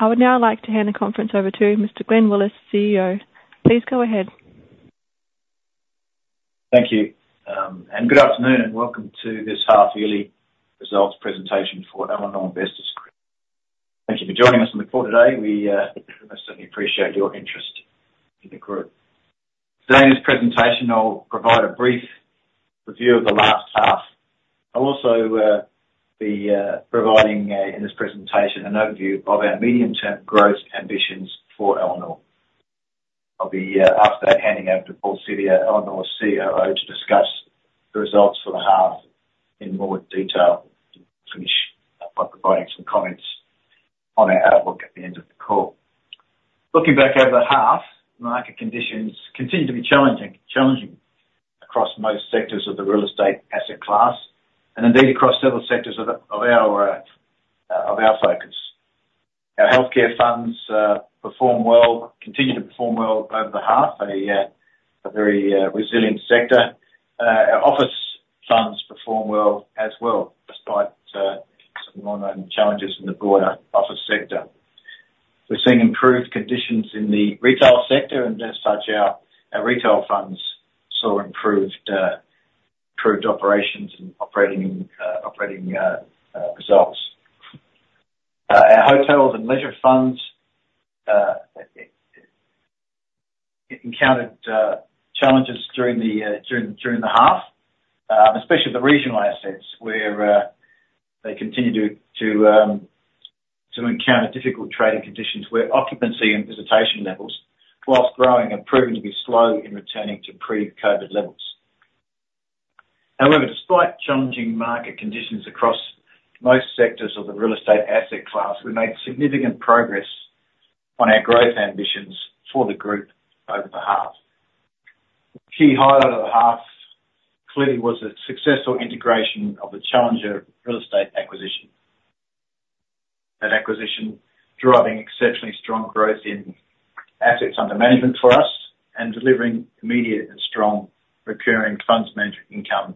I would now like to hand the conference over to Mr. Glenn Willis, CEO. Please go ahead. Thank you. Good afternoon and welcome to this half-yearly results presentation for Elanor Investors Group. Thank you for joining us on the call today. We certainly appreciate your interest in the group. Today in this presentation, I'll provide a brief review of the last half. I'll also be providing in this presentation an overview of our medium-term growth ambitions for Elanor. I'll be after that handing over to Paul Siviour, Elanor's COO, to discuss the results for the half in more detail and finish by providing some comments on our outlook at the end of the call. Looking back over the half, market conditions continue to be challenging across most sectors of the real estate asset class and indeed across several sectors of our focus. Our healthcare funds continue to perform well over the half, a very resilient sector. Our office funds perform well as well despite some more known challenges in the broader office sector. We're seeing improved conditions in the retail sector, and as such, our retail funds saw improved operations and operating results. Our hotels and leisure funds encountered challenges during the half, especially the regional assets where they continue to encounter difficult trading conditions where occupancy and visitation levels while growing have proven to be slow in returning to pre-COVID levels. However, despite challenging market conditions across most sectors of the real estate asset class, we made significant progress on our growth ambitions for the group over the half. The key highlight of the half clearly was the successful integration of the Challenger Real Estate acquisition. That acquisition driving exceptionally strong growth in assets under management for us and delivering immediate and strong recurring funds-managed income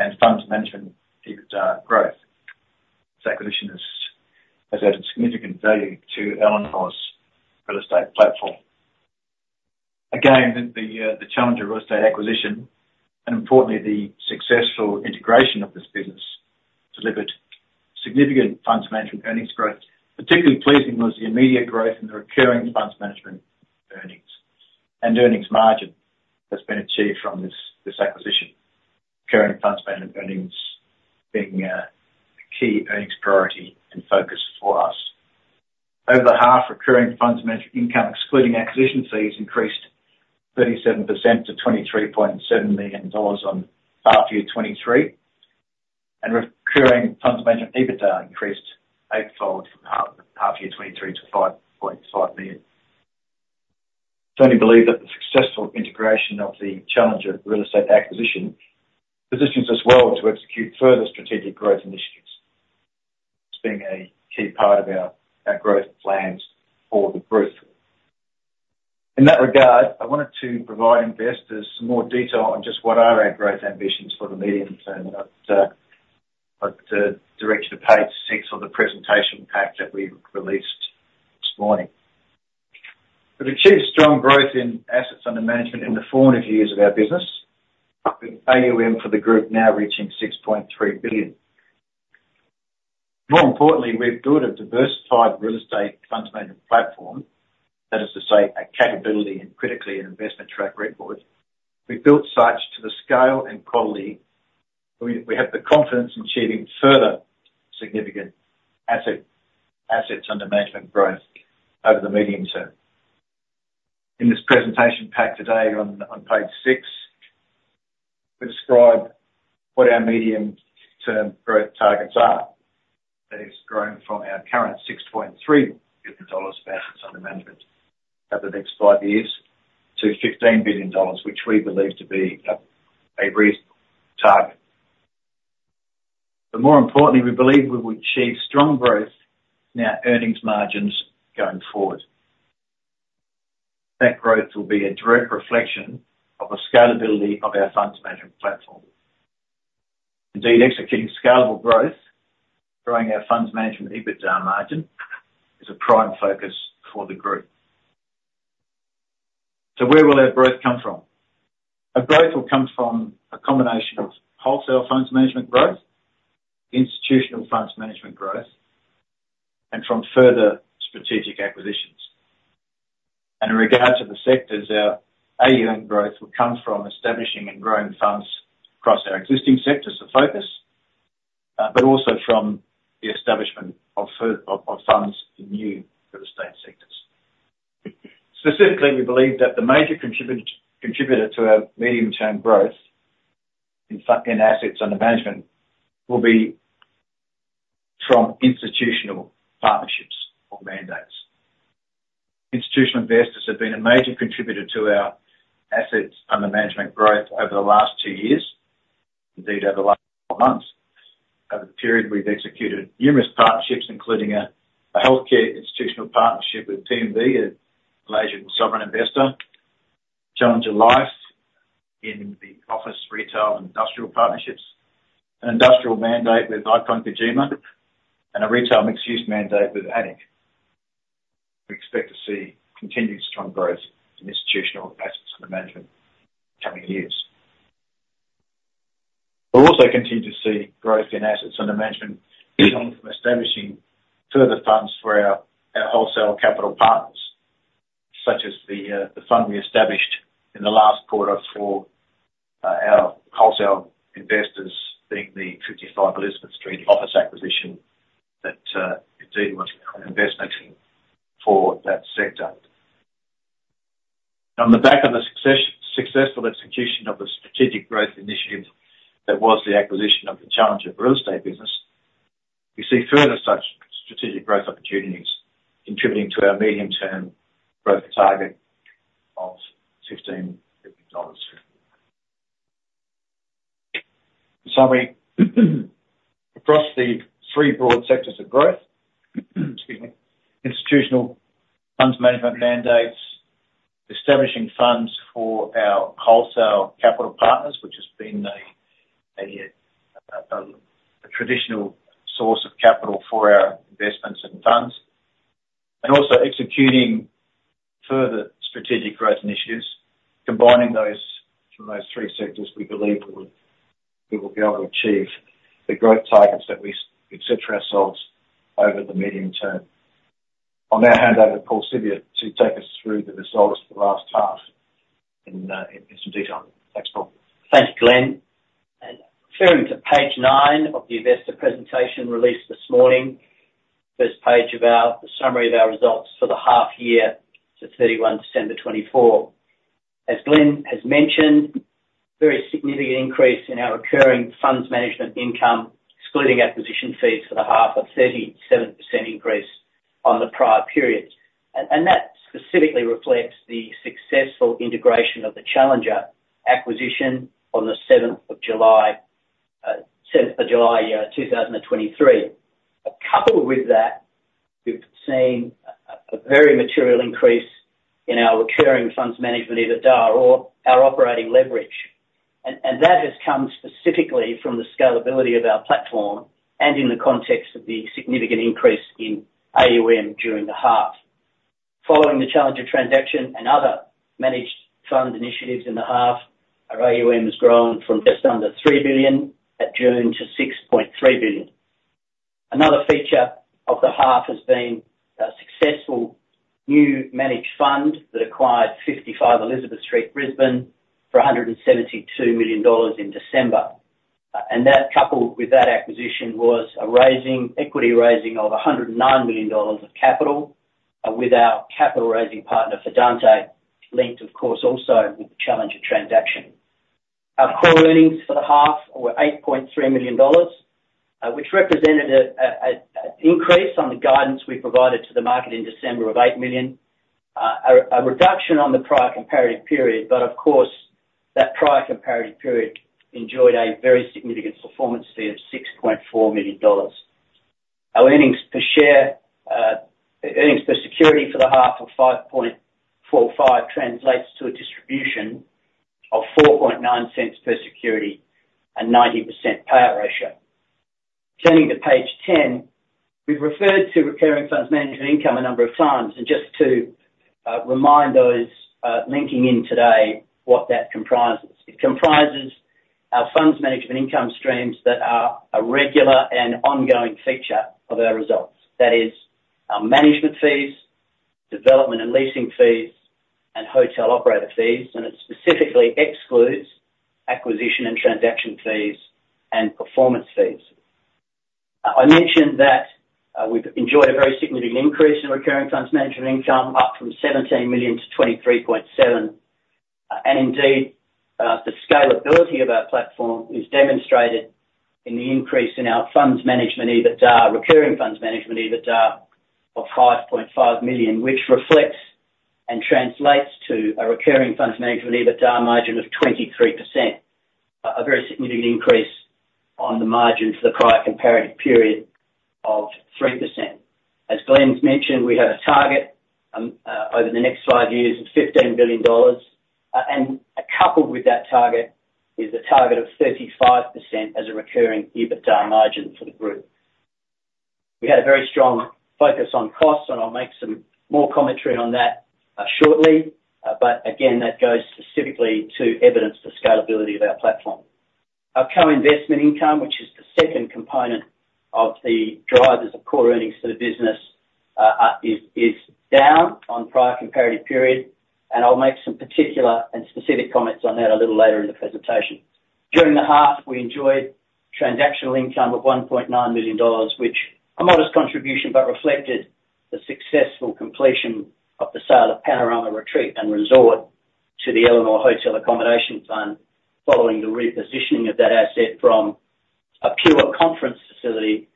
and funds-management growth. This acquisition has added significant value to Elanor's real estate platform. Again, the Challenger Real Estate acquisition and importantly, the successful integration of this business delivered significant funds-management earnings growth. Particularly pleasing was the immediate growth in the recurring funds-management earnings and earnings margin that's been achieved from this acquisition, recurring funds-management earnings being a key earnings priority and focus for us. Over the half, recurring funds-management income excluding acquisition fees increased 37% to 23.7 million dollars on half-year 2023, and recurring funds-management EBITDA increased eightfold from half-year 2023 to 5.5 million. Certainly believe that the successful integration of the Challenger Real Estate acquisition positions us well to execute further strategic growth initiatives, as being a key part of our growth plans for the group. In that regard, I wanted to provide investors some more detail on just what are our growth ambitions for the medium term, and I'd direct you to page 6 of the presentation pack that we released this morning. We've achieved strong growth in assets under management in the four years of our business, with AUM for the group now reaching 6.3 billion. More importantly, we've built a diversified real estate funds-management platform, that is to say, a capability and critically an investment track record. We've built such to the scale and quality we have the confidence in achieving further significant assets under management growth over the medium term. In this presentation pack today on page 6, we describe what our medium-term growth targets are. That is, growing from our current 6.3 billion dollars of assets under management over the next five years to 15 billion dollars, which we believe to be a reasonable target. But more importantly, we believe we will achieve strong growth in our earnings margins going forward. That growth will be a direct reflection of the scalability of our funds-management platform. Indeed, executing scalable growth, growing our funds-management EBITDA margin, is a prime focus for the group. So where will our growth come from? Our growth will come from a combination of wholesale funds-management growth, institutional funds-management growth, and from further strategic acquisitions. In regard to the sectors, our AUM growth will come from establishing and growing funds across our existing sectors of focus, but also from the establishment of funds in new real estate sectors. Specifically, we believe that the major contributor to our medium-term growth in assets under management will be from institutional partnerships or mandates. Institutional investors have been a major contributor to our assets under management growth over the last two years, indeed over the last four months. Over the period, we've executed numerous partnerships, including a healthcare institutional partnership with PNB, a Malaysian sovereign investor, Challenger Life in the office retail and industrial partnerships, an industrial mandate with Icon Kajima, and a retail mixed-use mandate with ADIC. We expect to see continued strong growth in institutional assets under management in the coming years. We'll also continue to see growth in assets under management going from establishing further funds for our wholesale capital partners, such as the fund we established in the last quarter for our wholesale investors, being the 55 Elizabeth Street office acquisition that indeed was an investment for that sector. On the back of the successful execution of the strategic growth initiative that was the acquisition of the Challenger Real Estate business, we see further such strategic growth opportunities contributing to our medium-term growth target of 15 billion dollars. In summary, across the three broad sectors of growth, institutional funds-management mandates, establishing funds for our wholesale capital partners, which has been a traditional source of capital for our investments and funds, and also executing further strategic growth initiatives, combining those from those three sectors, we believe we will be able to achieve the growth targets that we've set for ourselves over the medium term. I'll now hand over to Paul Siviour to take us through the results for the last half in some detail. Thanks, Paul. Thank you, Glenn. Referring to page 9 of the investor presentation released this morning, first page of the summary of our results for the half-year to 31 December 2024. As Glenn has mentioned, very significant increase in our recurring funds-management income excluding acquisition fees for the half, a 37% increase on the prior period. And that specifically reflects the successful integration of the Challenger acquisition on the 7th of July 2023. Coupled with that, we've seen a very material increase in our recurring funds-management EBITDA or our operating leverage. And that has come specifically from the scalability of our platform and in the context of the significant increase in AUM during the half. Following the Challenger transaction and other managed fund initiatives in the half, our AUM has grown from just under 3 billion at June to 6.3 billion. Another feature of the half has been a successful new managed fund that acquired 55 Elizabeth Street, Brisbane for 172 million dollars in December. Coupled with that acquisition was an equity raising of 109 million dollars of capital with our capital raising partner, Fidante, linked, of course, also with the Challenger transaction. Our core earnings for the half were 8.3 million dollars, which represented an increase on the guidance we provided to the market in December of 8 million, a reduction on the prior comparative period. But of course, that prior comparative period enjoyed a very significant performance fee of 6.4 million dollars. Our earnings per share earnings per security for the half of 5.45 translates to a distribution of 0.049 per security and 90% payout ratio. Turning to page 10, we've referred to recurring funds-management income a number of times and just to remind those logging in today what that comprises. It comprises our funds-management income streams that are a regular and ongoing feature of our results. That is, our management fees, development and leasing fees, and hotel operator fees. It specifically excludes acquisition and transaction fees and performance fees. I mentioned that we've enjoyed a very significant increase in recurring funds-management income up from 17 million to 23.7 million. Indeed, the scalability of our platform is demonstrated in the increase in our funds-management EBITDA, recurring funds-management EBITDA of 5.5 million, which reflects and translates to a recurring funds-management EBITDA margin of 23%, a very significant increase on the margin for the prior comparative period of 3%. As Glenn's mentioned, we have a target over the next 5 years of 15 billion dollars. Coupled with that target is a target of 35% as a recurring EBITDA margin for the group. We had a very strong focus on costs, and I'll make some more commentary on that shortly. But again, that goes specifically to evidence the scalability of our platform. Our co-investment income, which is the second component of the drivers of core earnings for the business, is down on prior comparative period. I'll make some particular and specific comments on that a little later in the presentation. During the half, we enjoyed transactional income of 1.9 million dollars, which is a modest contribution but reflected the successful completion of the sale of Panorama Retreat and Resort to the Elanor Hotel Accommodation Fund following the repositioning of that asset from a pure conference facility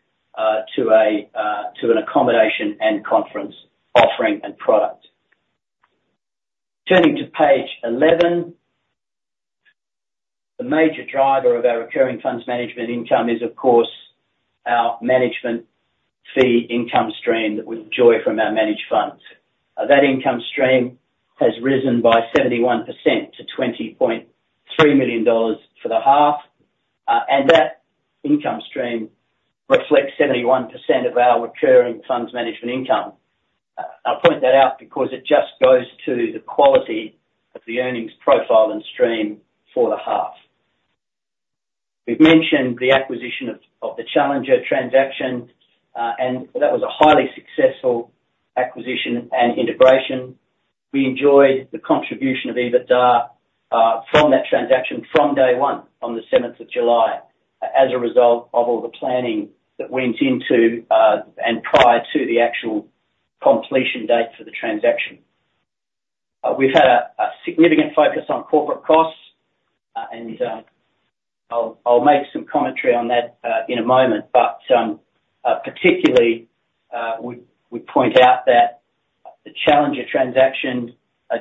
to an accommodation and conference offering and product. Turning to page 11, the major driver of our recurring funds-management income is, of course, our management fee income stream that we enjoy from our managed funds. That income stream has risen by 71% to 20.3 million dollars for the half. And that income stream reflects 71% of our recurring funds-management income. I'll point that out because it just goes to the quality of the earnings profile and stream for the half. We've mentioned the acquisition of the Challenger transaction, and that was a highly successful acquisition and integration. We enjoyed the contribution of EBITDA from that transaction from day one on the 7th of July as a result of all the planning that went into and prior to the actual completion date for the transaction. We've had a significant focus on corporate costs, and I'll make some commentary on that in a moment. But particularly, we'd point out that the Challenger transaction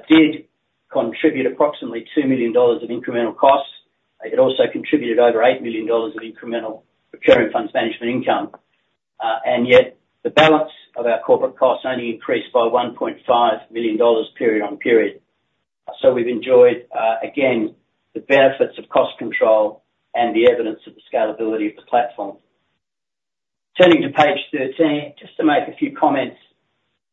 did contribute approximately 2 million dollars of incremental costs. It also contributed over 8 million dollars of incremental recurring funds-management income. And yet, the balance of our corporate costs only increased by 1.5 million dollars period on period. So we've enjoyed, again, the benefits of cost control and the evidence of the scalability of the platform. Turning to page 13, just to make a few comments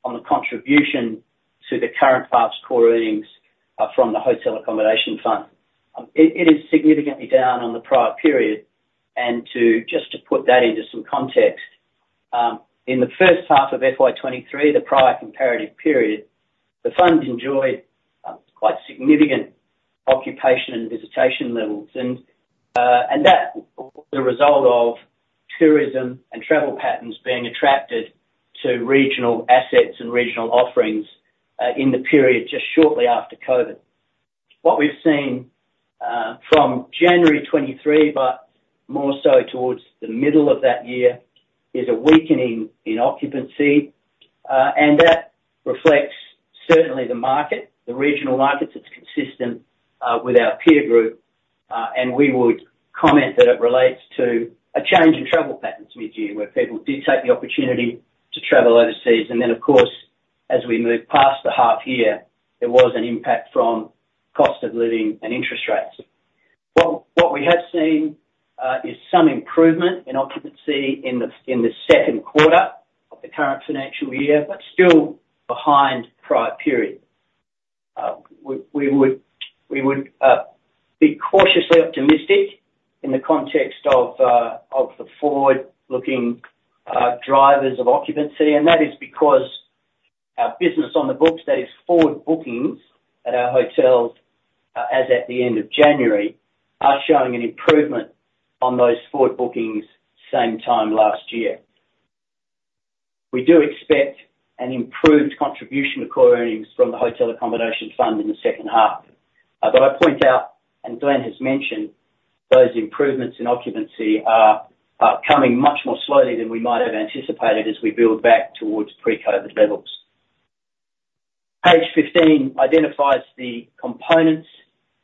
on the contribution to the current half's core earnings from the Hotel Accommodation Fund. It is significantly down on the prior period. Just to put that into some context, in the first half of FY 2023, the prior comparative period, the fund enjoyed quite significant occupancy and visitation levels. And that was a result of tourism and travel patterns being attracted to regional assets and regional offerings in the period just shortly after COVID. What we've seen from January 2023 but more so towards the middle of that year is a weakening in occupancy. That reflects certainly the market, the regional markets that's consistent with our peer group. We would comment that it relates to a change in travel patterns midyear where people did take the opportunity to travel overseas. Then, of course, as we moved past the half-year, there was an impact from cost of living and interest rates. What we have seen is some improvement in occupancy in the second quarter of the current financial year but still behind prior period. We would be cautiously optimistic in the context of the forward-looking drivers of occupancy. That is because our business on the books, that is forward bookings at our hotels as at the end of January, are showing an improvement on those forward bookings same time last year. We do expect an improved contribution to core earnings from the Hotel Accommodation Fund in the second half. But I point out, and Glen has mentioned, those improvements in occupancy are coming much more slowly than we might have anticipated as we build back towards pre-COVID levels. Page 15 identifies the components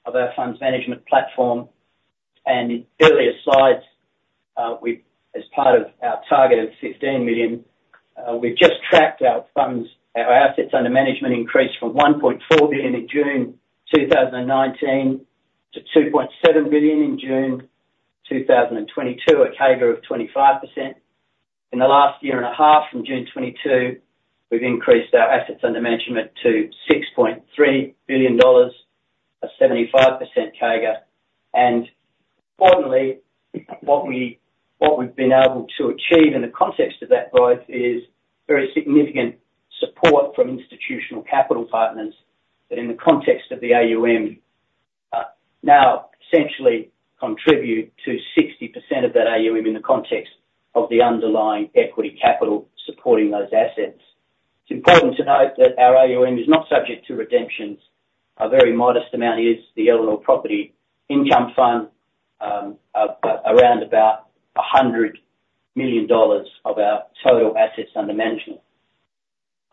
of our funds-management platform. In earlier slides, as part of our target of 15 billion, we've just tracked our assets under management increase from 1.4 billion in June 2019 to 2.7 billion in June 2022, a CAGR of 25%. In the last year and a half from June 2022, we've increased our assets under management to 6.3 billion dollars, a 75% CAGR. And importantly, what we've been able to achieve in the context of that growth is very significant support from institutional capital partners that, in the context of the AUM, now essentially contribute to 60% of that AUM in the context of the underlying equity capital supporting those assets. It's important to note that our AUM is not subject to redemptions. A very modest amount is the Elanor Property Income Fund, around about 100 million dollars of our total assets under management.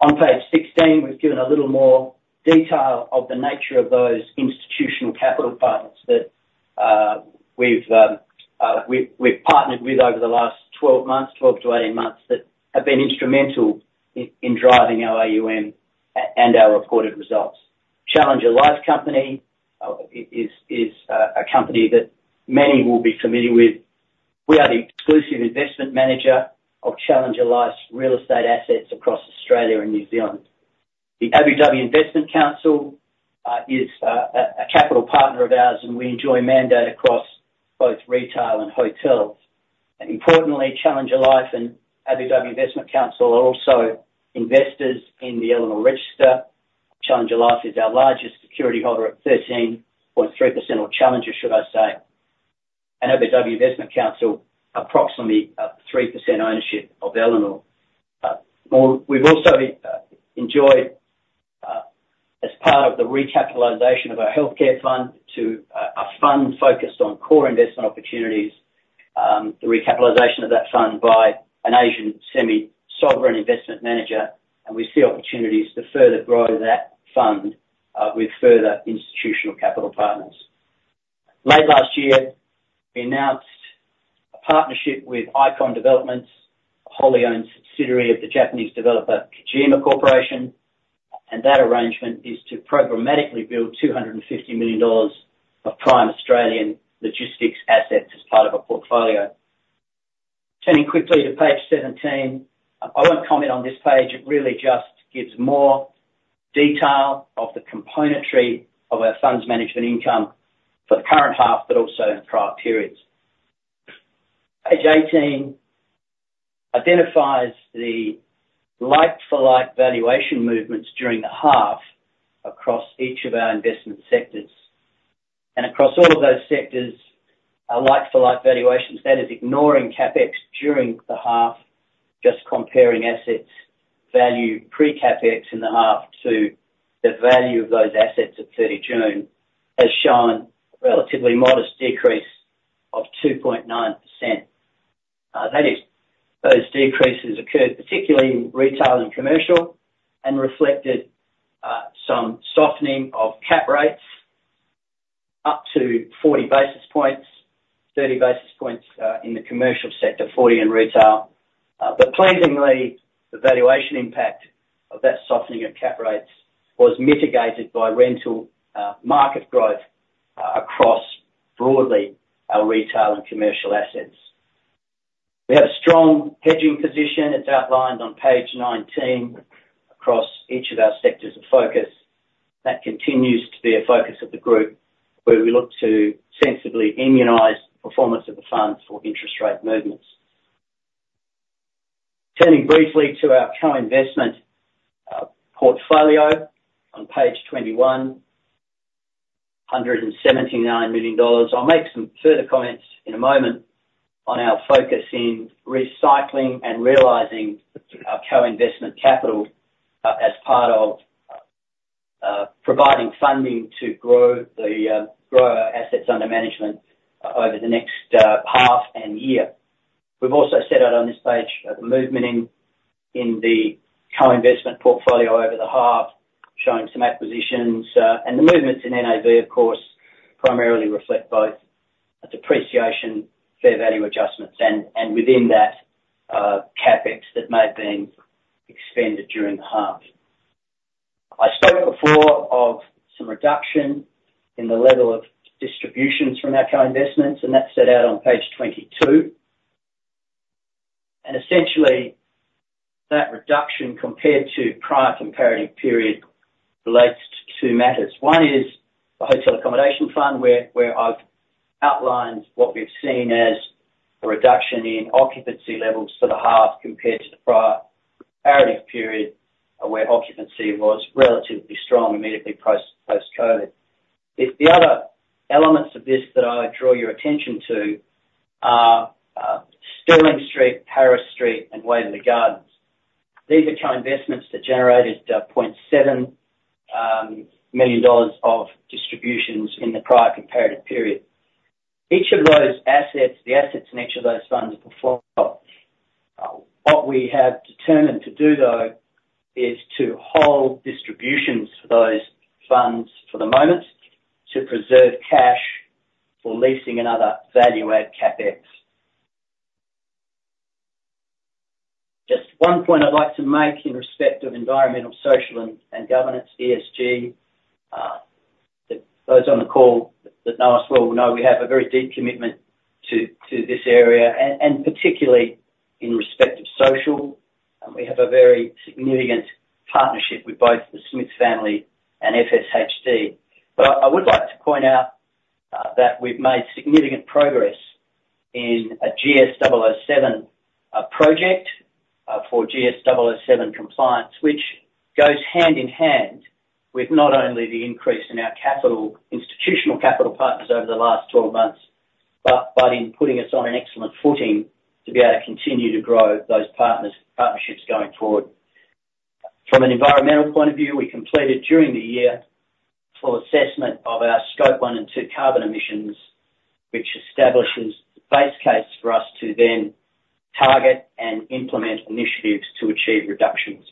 On page 16, we've given a little more detail of the nature of those institutional capital partners that we've partnered with over the last 12 months, 12-18 months, that have been instrumental in driving our AUM and our reported results. Challenger Life Company is a company that many will be familiar with. We are the exclusive investment manager of Challenger Life's real estate assets across Australia and New Zealand. The Abu Dhabi Investment Council is a capital partner of ours, and we enjoy mandate across both retail and hotels. Importantly, Challenger Life and Abu Dhabi Investment Council are also investors in the Elanor Register. Challenger Life is our largest security holder at 13.3% or Challenger, should I say. Abu Dhabi Investment Council, approximately 3% ownership of Elanor. We've also enjoyed, as part of the recapitalization of our healthcare fund to a fund focused on core investment opportunities, the recapitalization of that fund by an Asian semi-sovereign investment manager. We see opportunities to further grow that fund with further institutional capital partners. Late last year, we announced a partnership with Icon Developments, a wholly-owned subsidiary of the Japanese developer Kajima Corporation. That arrangement is to programmatically build 250 million dollars of prime Australian logistics assets as part of a portfolio. Turning quickly to page 17, I won't comment on this page. It really just gives more detail of the componentry of our funds-management income for the current half but also in prior periods. Page 18 identifies the like-for-like valuation movements during the half across each of our investment sectors. Across all of those sectors, our like-for-like valuations, that is ignoring CapEx during the half, just comparing assets' value pre-CapEx in the half to the value of those assets at 30 June, has shown a relatively modest decrease of 2.9%. That is, those decreases occurred particularly in retail and commercial and reflected some softening of cap rates up to 40 basis points, 30 basis points in the commercial sector, 40 in retail. But pleasingly, the valuation impact of that softening of cap rates was mitigated by rental market growth across broadly our retail and commercial assets. We have a strong hedging position. It's outlined on page 19 across each of our sectors of focus. That continues to be a focus of the group where we look to sensibly immunize performance of the fund for interest rate movements. Turning briefly to our co-investment portfolio on page 21, AUD 179 million, I'll make some further comments in a moment on our focus in recycling and realizing our co-investment capital as part of providing funding to grow our assets under management over the next half and year. We've also set out on this page the movement in the co-investment portfolio over the half showing some acquisitions. The movements in NAV, of course, primarily reflect both depreciation, fair value adjustments, and within that, CapEx that may have been expended during the half. I spoke before of some reduction in the level of distributions from our co-investments, and that's set out on page 22. Essentially, that reduction compared to prior comparative period relates to two matters. One is the Hotel Accommodation Fund where I've outlined what we've seen as a reduction in occupancy levels for the half compared to the prior comparative period where occupancy was relatively strong immediately post-COVID. The other elements of this that I would draw your attention to are Sterling Street, Harris Street, and Waverley Gardens. These are co-investments that generated 0.7 million dollars of distributions in the prior comparative period. Each of those assets, the assets in each of those funds perform well. What we have determined to do, though, is to hold distributions for those funds for the moment to preserve cash for leasing and other value-add CapEx. Just one point I'd like to make in respect of environmental, social, and governance, ESG. Those on the call that know us well will know we have a very deep commitment to this area and particularly in respect of social. We have a very significant partnership with both the Smith Family and FSHD. But I would like to point out that we've made significant progress in a GS007 project for GS007 compliance, which goes hand in hand with not only the increase in our institutional capital partners over the last 12 months but in putting us on an excellent footing to be able to continue to grow those partnerships going forward. From an environmental point of view, we completed during the year a full assessment of our Scope 1 and 2 carbon emissions, which establishes the base case for us to then target and implement initiatives to achieve reductions.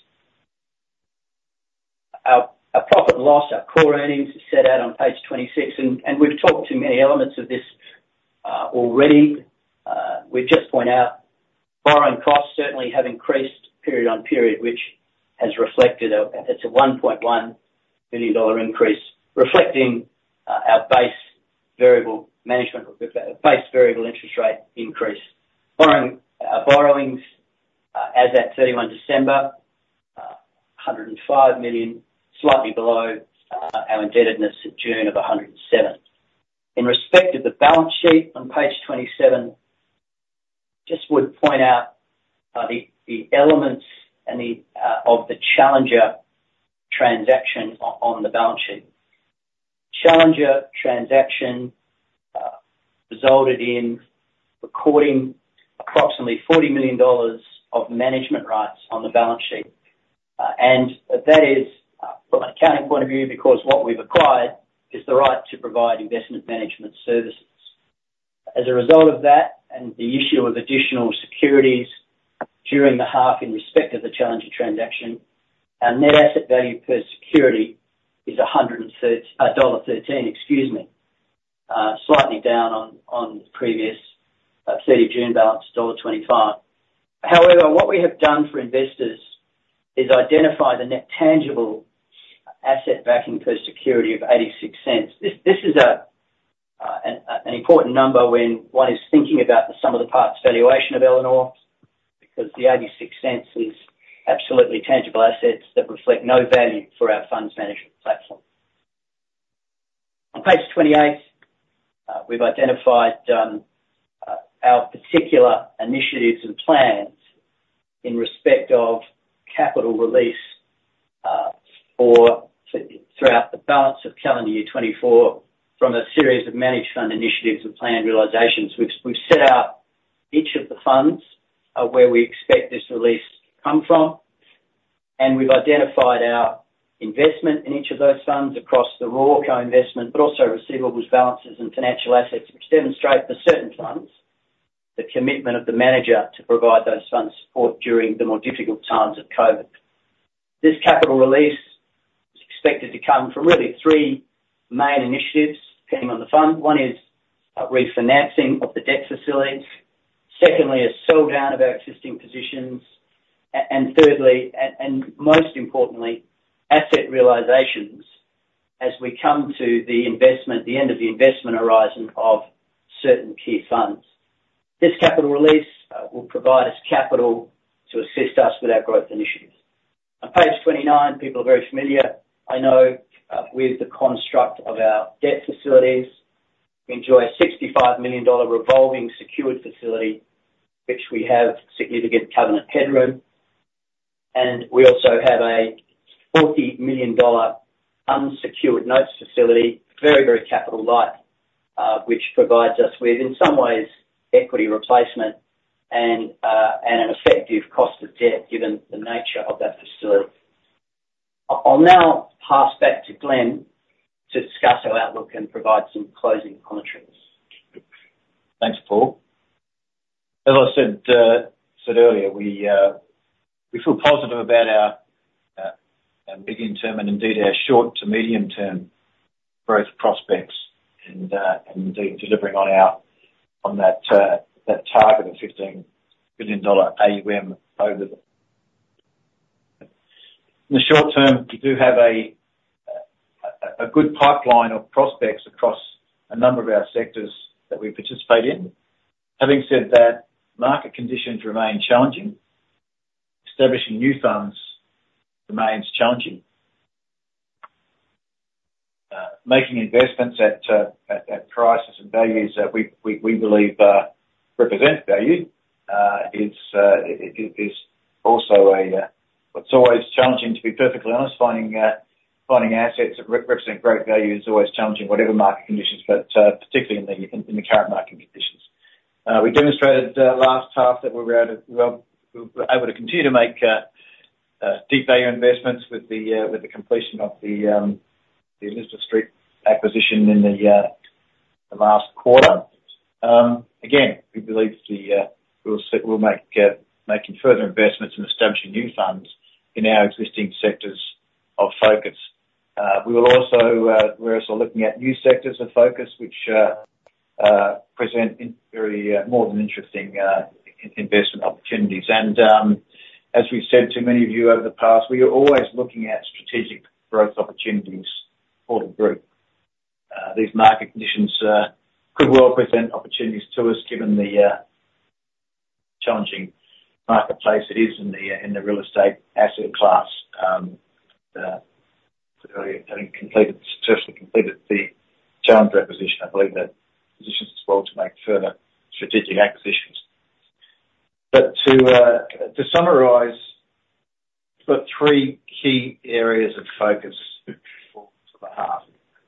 Our profit and loss, our Core Earnings, is set out on page 26. We've talked to many elements of this already. We'd just point out borrowing costs certainly have increased period on period, which has reflected it's a 1.1 million dollar increase reflecting our base variable management or base variable interest rate increase. Our borrowings as at 31 December, 105 million, slightly below our indebtedness in June of 107 million. In respect of the balance sheet on page 27, I just would point out the elements of the Challenger transaction on the balance sheet. Challenger transaction resulted in recording approximately 40 million dollars of management rights on the balance sheet. And that is from an accounting point of view because what we've acquired is the right to provide investment management services. As a result of that and the issue of additional securities during the half in respect of the Challenger transaction, our net asset value per security is dollar 1.13, excuse me, slightly down on the previous 30 June balance, AUD 1.25. However, what we have done for investors is identify the net tangible asset backing per security of 0.86. This is an important number when one is thinking about the sum of the parts valuation of Elanor because the 0.86 is absolutely tangible assets that reflect no value for our funds-management platform. On page 28, we've identified our particular initiatives and plans in respect of capital release throughout the balance of calendar year 2024 from a series of managed fund initiatives and planned realizations. We've set out each of the funds where we expect this release to come from. And we've identified our investment in each of those funds across the our co-investment but also receivables, balances, and financial assets, which demonstrate for certain funds the commitment of the manager to provide those funds support during the more difficult times of COVID. This capital release is expected to come from really three main initiatives depending on the fund. One is refinancing of the debt facilities. Secondly, a sell-down of our existing positions. And thirdly, and most importantly, asset realisations as we come to the end of the investment horizon of certain key funds. This capital release will provide us capital to assist us with our growth initiatives. On page 29, people are very familiar, I know, with the construct of our debt facilities. We enjoy a 65 million dollar revolving secured facility, which we have significant covenant headroom. And we also have a 40 million dollar unsecured notes facility, very, very capital-light, which provides us with, in some ways, equity replacement and an effective cost of debt given the nature of that facility. I'll now pass back to Glenn to discuss our outlook and provide some closing commentaries. Thanks, Paul. As I said earlier, we feel positive about our medium-term and indeed our short to medium-term growth prospects and indeed delivering on that target of 15 billion dollar AUM over the in the short term, we do have a good pipeline of prospects across a number of our sectors that we participate in. Having said that, market conditions remain challenging. Establishing new funds remains challenging. Making investments at prices and values that we believe represent value is also a what's always challenging, to be perfectly honest. Finding assets that represent great value is always challenging whatever market conditions, but particularly in the current market conditions. We demonstrated last half that we were able to continue to make deep value investments with the completion of the Elizabeth Street acquisition in the last quarter. Again, we believe we'll be making further investments and establishing new funds in our existing sectors of focus. We're also looking at new sectors of focus, which present very, more than interesting investment opportunities. As we've said to many of you over the past, we are always looking at strategic growth opportunities for the group. These market conditions could well present opportunities to us given the challenging marketplace it is in the real estate asset class. Having successfully completed the Challenger acquisition, I believe that positions us well to make further strategic acquisitions. To summarise, we've got three key areas of focus for the half: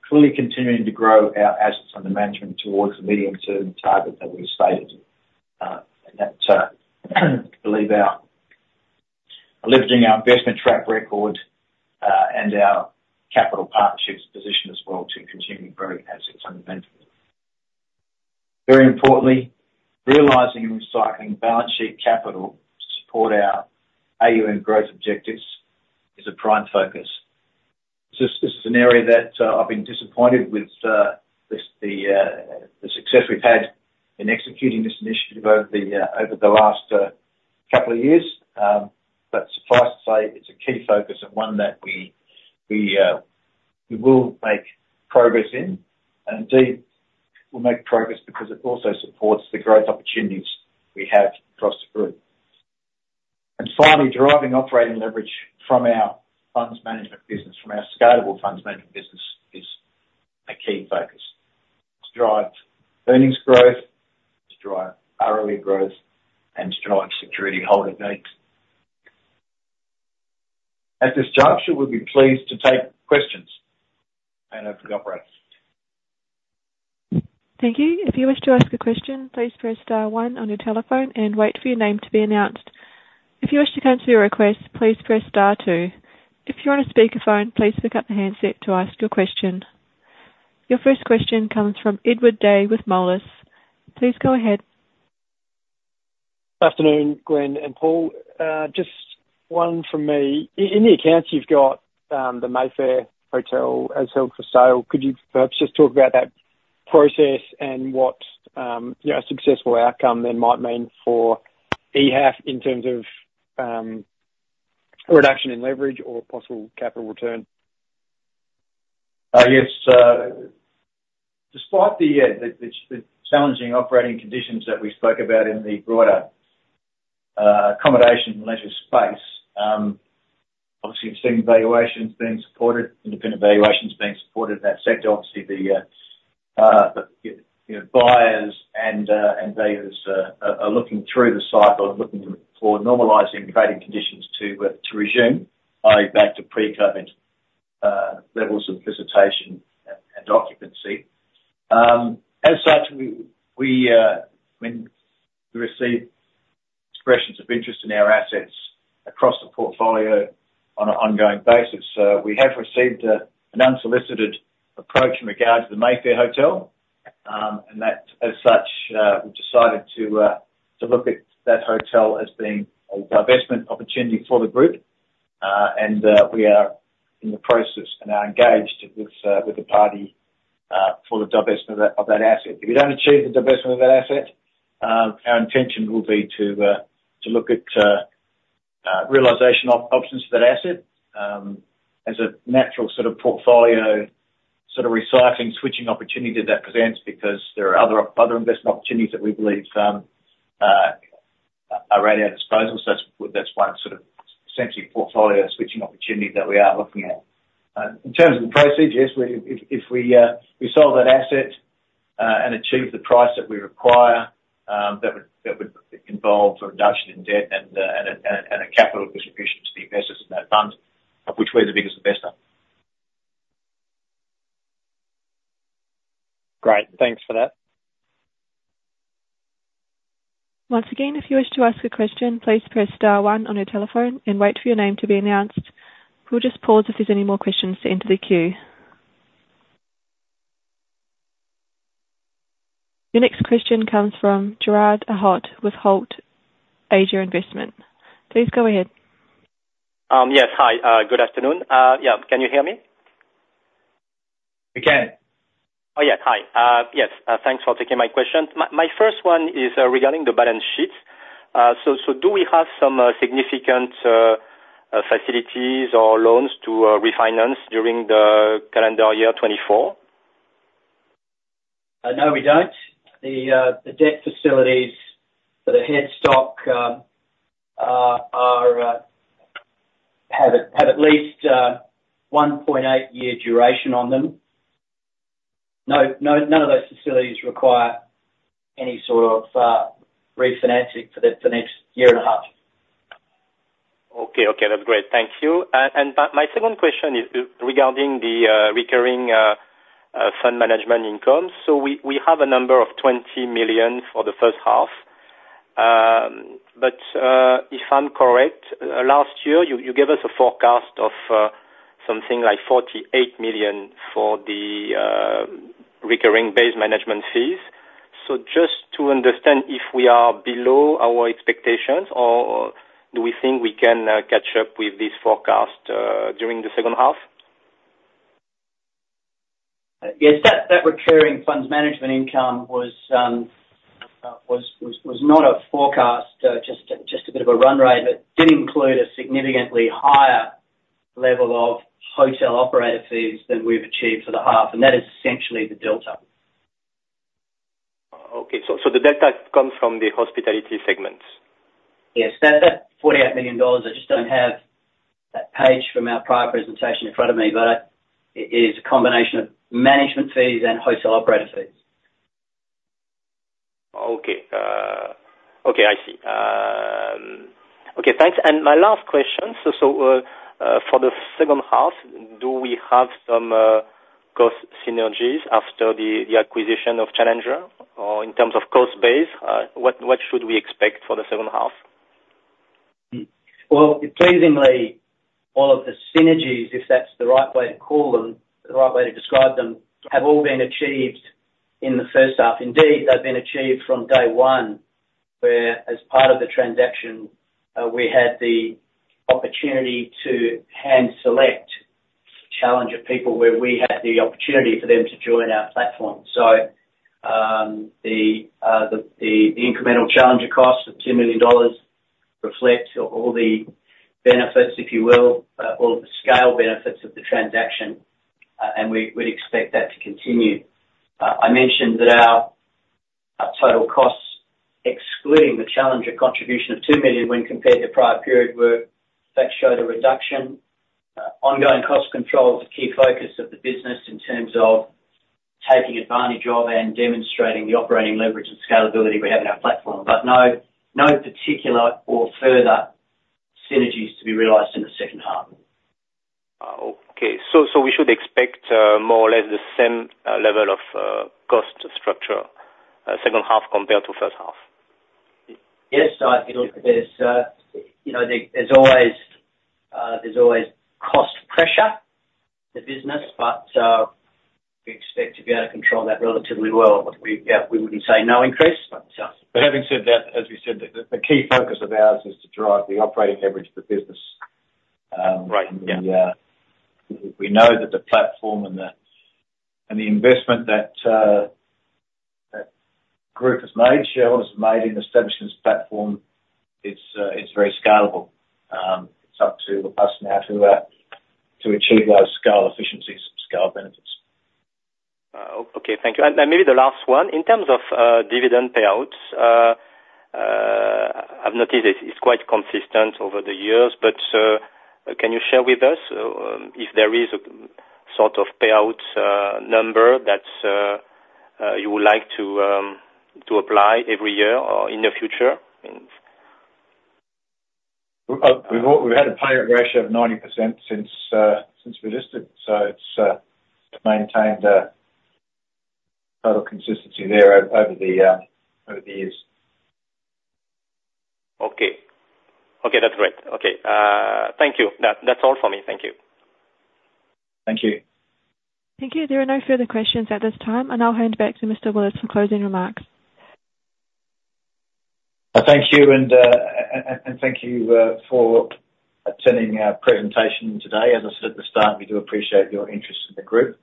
clearly continuing to grow our assets under management towards the medium-term target that we've stated and that we believe, leveraging our investment track record and our capital partnerships, positions us well to continue to grow assets under management. Very importantly, realizing and recycling balance sheet capital to support our AUM growth objectives is a prime focus. This is an area that I've been disappointed with the success we've had in executing this initiative over the last couple of years. But suffice to say, it's a key focus and one that we will make progress in. And indeed, we'll make progress because it also supports the growth opportunities we have across the group. And finally, deriving operating leverage from our funds management business, from our scalable funds management business, is a key focus to drive earnings growth, to drive ROE growth, and to drive security holding rates. At this juncture, we'd be pleased to take questions. I know I forgot about it. Thank you. If you wish to ask a question, please press star one on your telephone and wait for your name to be announced. If you wish to come to a request, please press star two. If you're on a speakerphone, please pick up the handset to ask your question. Your first question comes from Edward Day with Moelis. Please go ahead. Good afternoon, Glenn and Paul. Just one from me. In the accounts you've got, the Mayfair Hotel as held for sale, could you perhaps just talk about that process and what a successful outcome then might mean for EHAF in terms of reduction in leverage or possible capital return? Yes. Despite the challenging operating conditions that we spoke about in the broader accommodation leisure space, obviously, we've seen independent valuations being supported in that sector. Obviously, the buyers and valuers are looking through the cycle and looking for normalizing trading conditions to resume, i.e., back to pre-COVID levels of visitation and occupancy. As such, when we receive expressions of interest in our assets across the portfolio on an ongoing basis, we have received an unsolicited approach in regard to the Mayfair Hotel. As such, we've decided to look at that hotel as being a divestment opportunity for the group. We are in the process and are engaged with the party for the divestment of that asset. If we don't achieve the divestment of that asset, our intention will be to look at realization options for that asset as a natural sort of portfolio sort of recycling, switching opportunity that that presents because there are other investment opportunities that we believe are at our disposal. So that's one sort of essentially portfolio switching opportunity that we are looking at. In terms of the procedure, yes, if we sell that asset and achieve the price that we require, that would involve a reduction in debt and a capital distribution to the investors in that fund, of which we're the biggest investor. Great. Thanks for that. Once again, if you wish to ask a question, please press star one on your telephone and wait for your name to be announced. We'll just pause if there's any more questions to enter the queue. Your next question comes from Gerard Ahhot with Holt Asia Investment. Please go ahead. Yes. Hi. Good afternoon. Yeah. Can you hear me? We can. Oh, yes. Hi. Yes. Thanks for taking my question. My first one is regarding the balance sheet. So do we have some significant facilities or loans to refinance during the calendar year 2024? No, we don't. The debt facilities for the headstock have at least 1.8-year duration on them. None of those facilities require any sort of refinancing for the next year and a half. Okay. Okay. That's great. Thank you. And my second question is regarding the recurring fund management income. So we have a number of 20 million for the first half. But if I'm correct, last year, you gave us a forecast of something like 48 million for the recurring base management fees. So just to understand if we are below our expectations or do we think we can catch up with this forecast during the second half? Yes. That recurring funds management income was not a forecast, just a bit of a runway, but did include a significantly higher level of hotel operator fees than we've achieved for the half. And that is essentially the delta. Okay. So the delta comes from the hospitality segment? Yes. That 48 million dollars, I just don't have that page from our prior presentation in front of me, but it is a combination of management fees and hotel operator fees. Okay. Okay. I see. Okay. Thanks. And my last question. So for the second half, do we have some cost synergies after the acquisition of Challenger? Or in terms of cost base, what should we expect for the second half? Well, pleasingly, all of the synergies, if that's the right way to call them, the right way to describe them, have all been achieved in the first half. Indeed, they've been achieved from day one where, as part of the transaction, we had the opportunity to hand-select Challenger people where we had the opportunity for them to join our platform. So the incremental Challenger cost of 10 million dollars reflects all the benefits, if you will, all of the scale benefits of the transaction. And we'd expect that to continue. I mentioned that our total costs excluding the Challenger contribution of 2 million when compared to prior period were, in fact, showed a reduction. Ongoing cost control is a key focus of the business in terms of taking advantage of and demonstrating the operating leverage and scalability we have in our platform. No particular or further synergies to be realized in the second half. Okay. So we should expect more or less the same level of cost structure second half compared to first half? Yes. There's always cost pressure. The business. But we expect to be able to control that relatively well. Yeah. We wouldn't say no increase. Having said that, as we said, the key focus of ours is to drive the operating average of the business. We know that the platform and the investment that group has made, shareholders have made in establishing this platform, it's very scalable. It's up to us now to achieve those scale efficiencies and scale benefits. Okay. Thank you. And maybe the last one. In terms of dividend payouts, I've noticed it's quite consistent over the years. But can you share with us if there is a sort of payout number that you would like to apply every year or in the future? We've had a payout ratio of 90% since we listed. So it's maintained total consistency there over the years. Okay. Okay. That's great. Okay. Thank you. That's all for me. Thank you. Thank you. Thank you. There are no further questions at this time. I'll hand back to Mr. Willis for closing remarks. Thank you. Thank you for attending our presentation today. As I said at the start, we do appreciate your interest in the group.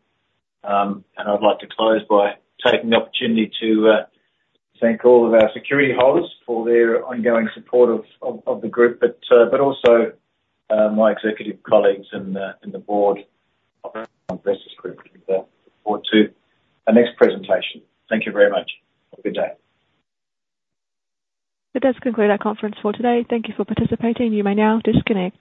I'd like to close by taking the opportunity to thank all of our security holders for their ongoing support of the group, but also my executive colleagues in the board of the Investors Group. Look forward to our next presentation. Thank you very much. Have a good day. That does conclude our conference for today. Thank you for participating. You may now disconnect.